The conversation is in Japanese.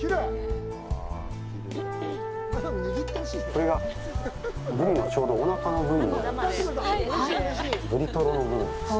これが、ブリのちょうどおなかの部位になります。